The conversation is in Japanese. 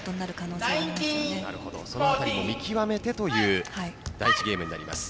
そのあたりの見極めてという第１ゲームになります。